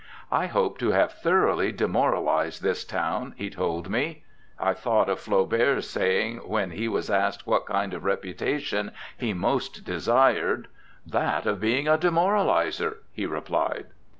'I hope to have thoroughly demoralized this town,' he told me. I thought of Flaubert's saying when he was asked what kind of reputation he most desired 'that of being a demoralizer,' he replied.